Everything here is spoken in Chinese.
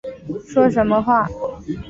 说什么话